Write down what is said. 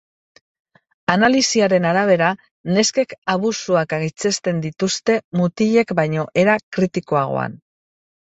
Analisiaren arabera, neskek abusuak gaitzesten dituzte mutilek baino era kritikoagoan.